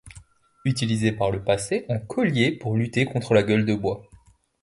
Utilisée par le passé en collier pour lutter contre la gueule de bois.